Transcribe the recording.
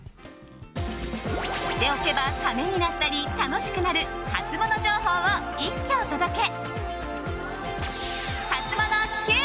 知っておけばためになったり楽しくなるハツモノ情報を一挙お届け。